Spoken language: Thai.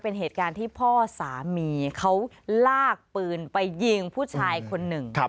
เป็นเหตุการณ์ที่พ่อสามีเขาลากปืนไปยิงผู้ชายคนหนึ่ง